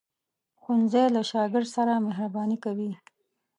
ښوونځی له شاګرد سره مهرباني کوي